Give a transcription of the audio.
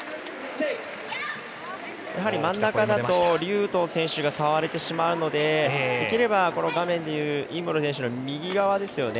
やはり真ん中だと劉禹とう選手が触れてしまうのでできれば画面でいう尹夢ろ選手の右側ですよね